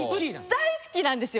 大好きなんですよ。